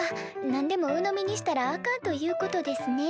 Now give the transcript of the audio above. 何でもうのみにしたらあかんということですね。